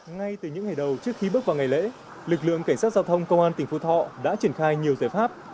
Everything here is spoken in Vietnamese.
ngay từ những ngày đầu trước khi bước vào ngày lễ lực lượng cảnh sát giao thông công an tỉnh phú thọ đã triển khai nhiều giải pháp